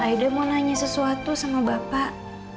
aida mau nanya sesuatu sama bapak